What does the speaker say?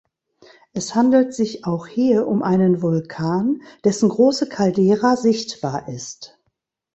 Es handelt sich auch hier um einen Vulkan, dessen große Caldera sichtbar ist.